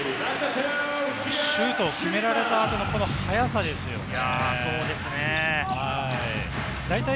シュートを決められた後の速さですよね。